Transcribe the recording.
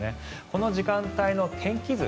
この時間帯の天気図